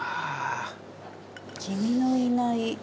「君のいない」。